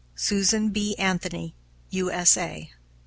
Susan B. Anthony, U.S.A."